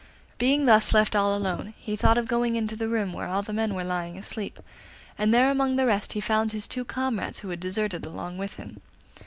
Being thus left all alone, he thought of going into the room where all the men were lying asleep, and there among the rest he found his two comrades who had deserted along with him.